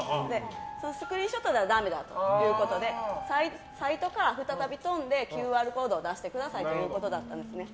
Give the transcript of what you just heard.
スクリーンショットじゃダメだということでサイトから再び飛んでＱＲコードを出してくださいということだったんです。